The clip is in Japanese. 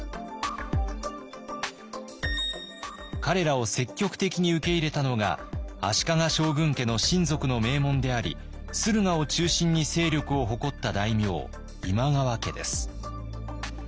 彼らを積極的に受け入れたのが足利将軍家の親族の名門であり駿河を中心に勢力を誇った大名今川家です。